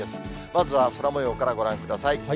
まずは空もようからご覧ください。